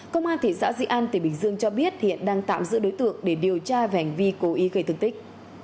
công an thị xã di an tỉnh bình dương cho biết hiện đang tạm giữ đối tượng để điều tra về hành vi cố ý gây thương tích